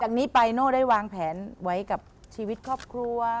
นี้ไปโน่ได้วางแผนไว้กับชีวิตครอบครัว